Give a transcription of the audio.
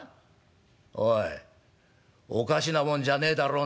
おいおかしなもんじゃねえだろうな」。